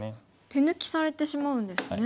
手抜きされてしまうんですね。